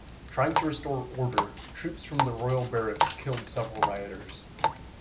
Trying to restore order, troops from the Royal Barracks killed several rioters.